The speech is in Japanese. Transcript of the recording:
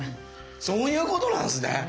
そういうことなんすね。